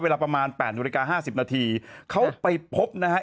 เวลาประมาณแปดโดยรายการห้าสิบนาทีเขาไปพบนะฮะ